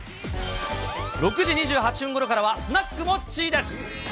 ６時２８分ごろからはスナックモッチーです。